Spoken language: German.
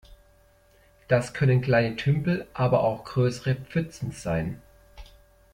Das können kleine Tümpel, aber auch größere Pfützen sein.